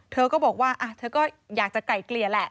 เธอก็บอกว่าเธอก็อยากจะไกลเกลี่ยแหละ